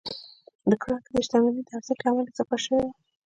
د کارنګي د شتمنۍ د ارزښت له امله اضافه شوي وو.